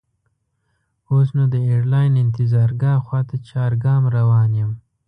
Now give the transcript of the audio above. اوس نو د ایرلاین انتظارګاه خواته چارګام روان یم.